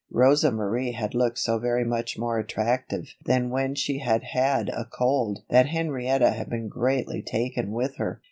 Rosa Marie had looked so very much more attractive than when she had had a cold that Henrietta had been greatly taken with her.